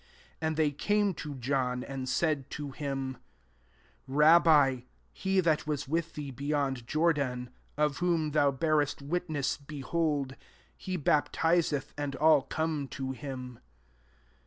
26 %nd tbtsy came to Joto, vmd laid to him, *^ Rabbi, he that ras with thee bejond Jor<kin, if whom thou bearest witness, )ehdld» he baptiseth, and all :on» to him.'